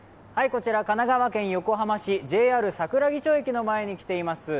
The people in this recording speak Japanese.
こちら神奈川県横浜市ＪＲ桜木町駅の前に来ています。